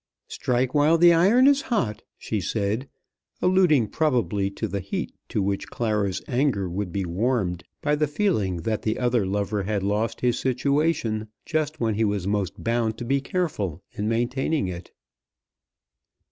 "Strike while the iron is hot," she said, alluding probably to the heat to which Clara's anger would be warmed by the feeling that the other lover had lost his situation just when he was most bound to be careful in maintaining it.